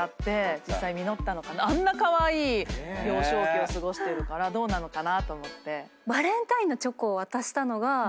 実際実ったのかあんなカワイイ幼少期を過ごしてるからどうなのかなと思って。